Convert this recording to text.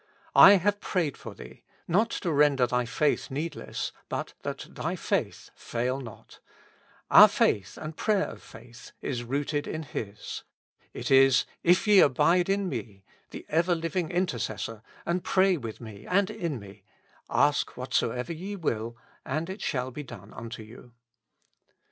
'' I have prayed for thee," not to render thy faith needless, but "that thy faith fail not :'' our faith and prayer of faith is rooted in His. It is, if ye abide in me," the ever hving Intercessor, and pray with me and in me :" ask whatsoever ye will, and it shall be done unto you."